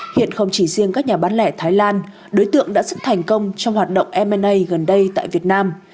hiện không chỉ riêng các nhà bán lẻ thái lan đối tượng đã rất thành công trong hoạt động m a gần đây tại việt nam